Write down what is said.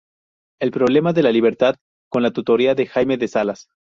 El problema de la libertad" con la tutoría de Jaime de Salas.